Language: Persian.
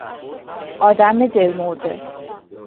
آدم دلمرده